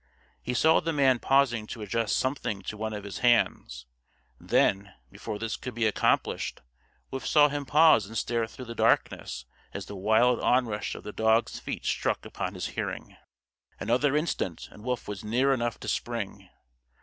He saw the man pausing to adjust something to one of his hands. Then, before this could be accomplished, Wolf saw him pause and stare through the darkness as the wild onrush of the dog's feet struck upon his hearing. Another instant and Wolf was near enough to spring.